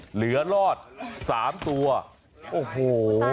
เหลือรอดสามตัวโอ้โห